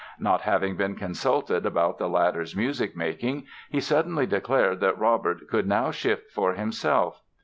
Not having been consulted about the latter's music making he suddenly declared that Robert could now shift for himself.